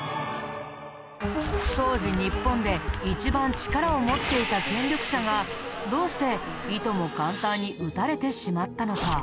当時日本で一番力を持っていた権力者がどうしていとも簡単に討たれてしまったのか。